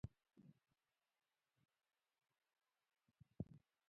د بخارۍ کارونه د ځینو لپاره یوه اړتیا ده.